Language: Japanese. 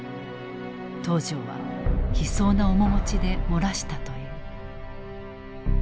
東條は悲壮な面持ちで漏らしたという。